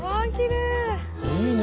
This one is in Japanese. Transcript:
いいね